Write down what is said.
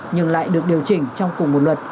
nhưng lại được điều chỉnh trong cùng một luật